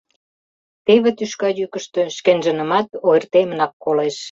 Теве тӱшка йӱкыштӧ шкенжынымат ойыртемынак колеш.